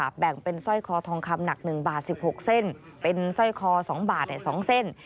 แบ่งเป็นสร้อยคอทองคำหนัก๑บาท๑๖เส้นเป็นสร้อยคอ๒บาท๒เส้น